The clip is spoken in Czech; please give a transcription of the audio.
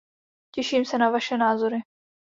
Těším se na vaše názory.